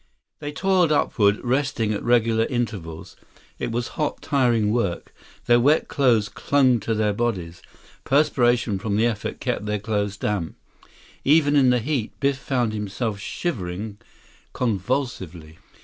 They toiled upward, resting at regular intervals. It was hot, tiring work. Their wet clothes clung to their bodies. Perspiration from the effort kept their clothes damp. Even in the heat, Biff found himself shivering convulsively.